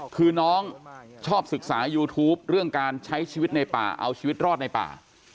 คือน้องชอบศึกษายูทูปเรื่องการใช้ชีวิตในป่าเอาชีวิตรอดในป่า